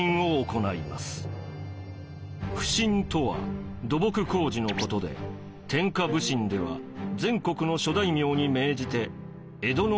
普請とは土木工事のことで天下普請では全国の諸大名に命じて江戸の土木工事をさせました。